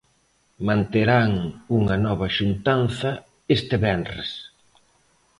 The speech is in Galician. Manterán unha nova xuntanza este venres.